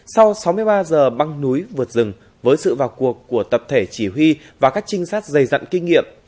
sau sáu mươi ba giờ băng núi vượt rừng với sự vào cuộc của tập thể chỉ huy và các trinh sát dày dặn kinh nghiệm